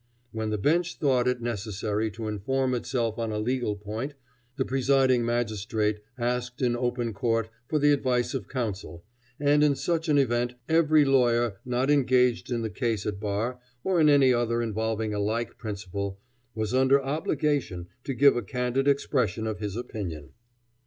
When the bench thought it necessary to inform itself on a legal point, the presiding magistrate asked in open court for the advice of counsel, and in such an event every lawyer not engaged in the case at bar, or in another involving a like principle, was under obligation to give a candid expression of his opinion.